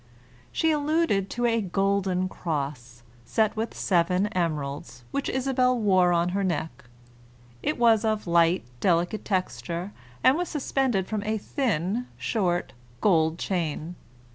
She alluded to a golden cross, set with seven emeralds, which Isabel wore on her neck. It was of light, delicate texture, and was suspended from a thin, short, gold chain.